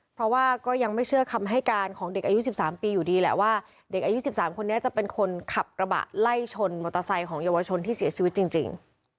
เป็นกิจไม่เชื่อคำให้การของเด็กอายุสิบสามปีอยู่ดีแหละว่าเด็กอายุสิบสามคนนี้จะเป็นคนขับระบะไล่ชนมอเตอร์ไซต์ของเยาวะชนที่เสียชีวิตจริงจริง